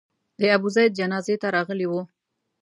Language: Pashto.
د ابوزید جنازې ته راغلي وو.